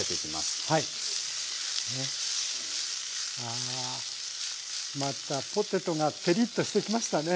あぁまたポテトがてりっとしてきましたね。